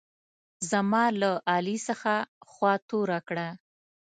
زما له علي څخه خوا توره کړه.